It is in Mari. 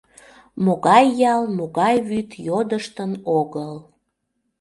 Могай ял, могай вӱд — йодыштын огыл.